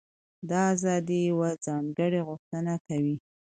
دا ازادي یوه ځانګړې غوښتنه کوي.